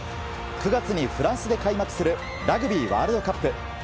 ９月にフランスで開幕するラグビーワールドカップ。